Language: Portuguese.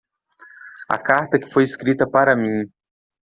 A carta que foi escrita para mim